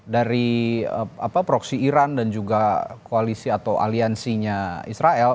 dari proksi iran dan juga koalisi atau aliansinya israel